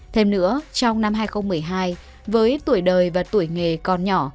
thêm nữa trong năm hai nghìn một mươi hai với tuổi đời và tuổi nghề còn nhỏ